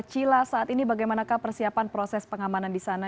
cila saat ini bagaimana persiapan proses pengamanan di sana